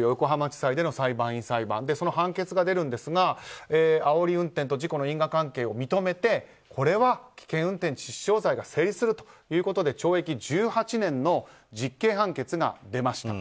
横浜地裁での裁判員裁判で判決が出るんですがあおり運転と事故の因果関係を認めてこれは危険運転致死傷罪が成立する時ということで懲役１８年の実刑判決が出ました。